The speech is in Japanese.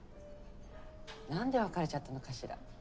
なんで別れちゃったのかしら？